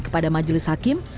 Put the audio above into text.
kepada majelis hakim